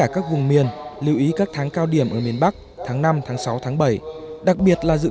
các vùng miền lưu ý các tháng cao điểm ở miền bắc tháng năm tháng sáu tháng bảy đặc biệt là dự